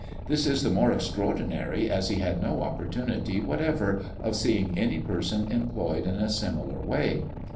This is the more extraordinary, as he had no opportunity whatever of seeing any person employed in a similar way.